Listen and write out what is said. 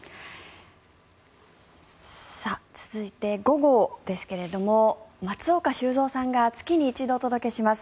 続いて、午後ですが松岡修造さんが月に一度お届けします